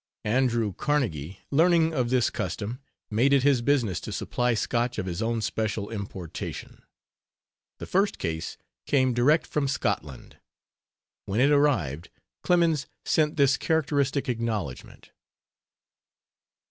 Andrew Carnegie, learning of this custom, made it his business to supply Scotch of his own special importation. The first case came, direct from Scotland. When it arrived Clemens sent this characteristic acknowledgment.